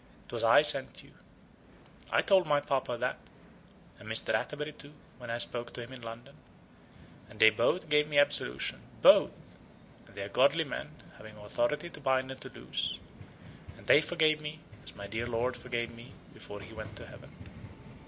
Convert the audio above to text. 'Twas I sent you. I told my papa that, and Mr. Atterbury too, when I spoke to him in London. And they both gave me absolution both and they are godly men, having authority to bind and to loose. And they forgave me, as my dear lord forgave me before he went to heaven."